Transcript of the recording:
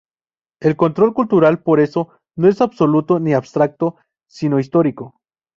El control cultural, por eso, no es absoluto ni abstracto, sino histórico.